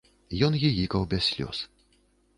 Ён гігікаў без слёз.